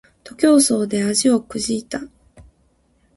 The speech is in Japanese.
徒競走で足をくじいた